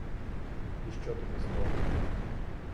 І що тобі з того?